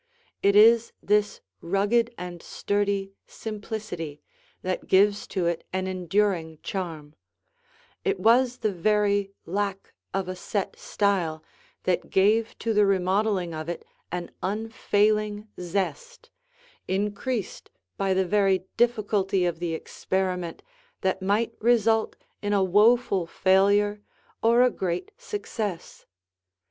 It is this rugged and sturdy simplicity that gives to it an enduring charm; it was the very lack of a set style that gave to the remodeling of it an unfailing zest, increased by the very difficulty of the experiment that might result in a woeful failure or a great success.